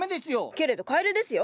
けれどカエルですよ？